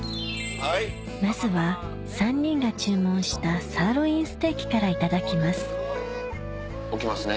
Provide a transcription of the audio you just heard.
まずは３人が注文したサーロインステーキからいただきます置きますね。